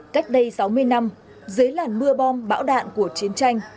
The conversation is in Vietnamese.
cách đây sáu mươi năm dưới làn mưa bom bão đạn của chiến tranh